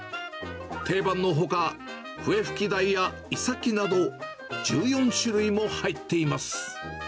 定番のほか、フエフキダイやイサキなど、１４種類も入っています。